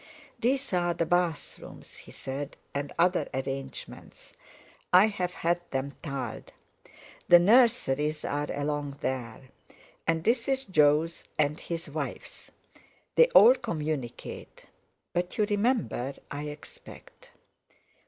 "These are the bathrooms," he said, "and other arrangements. I've had them tiled. The nurseries are along there. And this is Jo's and his wife's. They all communicate. But you remember, I expect."